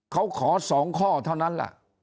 เขาขอสองข้อเท่านั้น